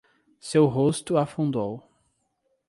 Seu rosto afundou